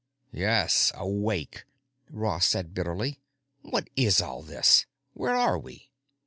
"Yes, awake!" Ross said bitterly. "What is all this? Where are we?"